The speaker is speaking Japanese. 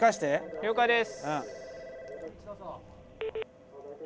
了解です。